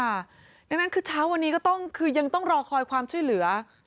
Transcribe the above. ดังนั้นคือเช้าวันนี้ก็ต้องคือยังต้องรอคอยความช่วยเหลือ